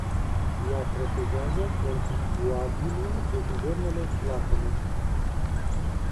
Ea protejează contribuabilul de guvernele lacome.